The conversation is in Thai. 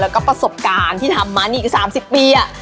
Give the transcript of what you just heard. แล้วก็ประสบการณ์ที่ทำมานี่คือ๓๐ปี